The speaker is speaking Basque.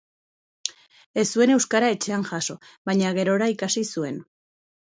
Ez zuen euskara etxean jaso, baina gerora ikasi zuen.